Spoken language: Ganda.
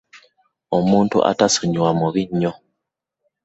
Omuntu atasonyiwa mubi nnyo.